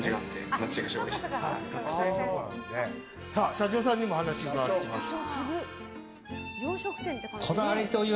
社長さんにも話を伺ってきました。